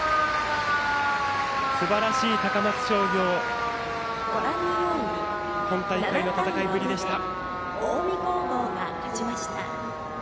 すばらしい高松商業の今大会の戦いぶりでした。